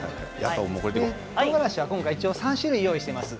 とうがらしは３種類用意しています。